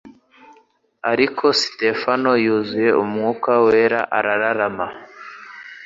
Ariko Sitefano yuzuye Umwuka Wera arararama